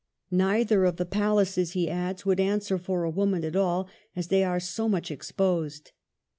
Neither of the palaces," he adds, " would answer for a woman at all, as they are so much exposed."